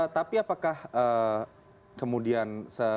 tapi apakah kemudian